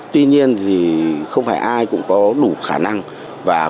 tuy nhiên không phải ai cũng có đủ khả năng và đủ niềm tin